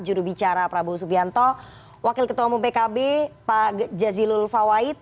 jurubicara prabowo subianto wakil ketua umum pkb pak jazilul fawait